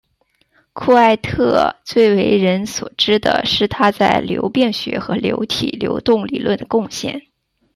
库埃特最为人所知的是他在流变学和流体流动理论的贡献。